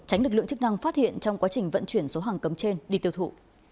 tránh lực lượng chức năng phát hiện trong quá trình vận chuyển số hàng cấm trên đi tiêu thụ